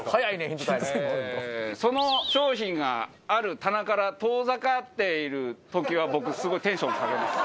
その商品がある棚から遠ざかっている時は僕すごいテンション下がります。